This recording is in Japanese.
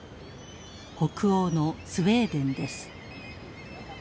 北欧のスウェーデンです。